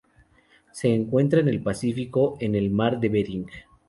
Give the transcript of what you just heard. Se encuentra en el Pacífico: en el Mar de Bering.